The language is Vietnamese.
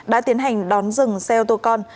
đã tiến hành đón dừng xe ô tô con